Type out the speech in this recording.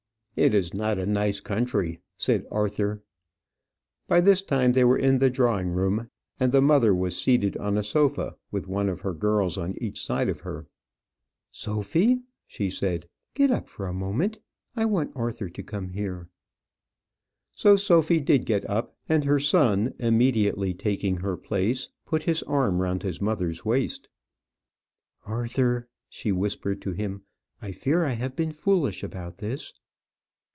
"It is not a nice country," said Arthur. By this time they were in the drawing room, and the mother was seated on a sofa, with one of her girls on each side of her. "Sophy," she said, "get up for a moment; I want Arthur to come here." So Sophy did get up, and her son immediately taking her place, put his arm round his mother's waist. "Arthur," she whispered to him, "I fear I have been foolish about this."